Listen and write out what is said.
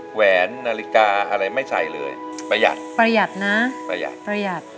แหวนนาฬิกาอะไรไม่ใส่เลยประหยัดประหยัดนะประหยัดประหยัด